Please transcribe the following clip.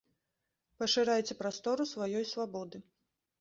Пашырайце прастору сваёй свабоды.